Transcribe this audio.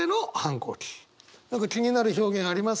何か気になる表現あります？